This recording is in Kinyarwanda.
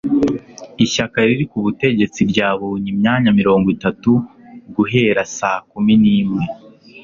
ishyaka riri ku butegetsi ryabonye imyanya mirongo itatu guhera saa kumi n'imwe